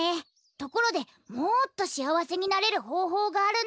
ところでもっとしあわせになれるほうほうがあるんだけど。